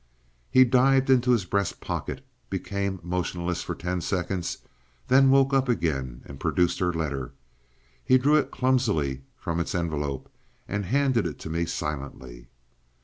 He dived into his breast pocket, became motionless for ten seconds, then woke up again and produced her letter. He drew it clumsily from its envelope, and handed it to me silently.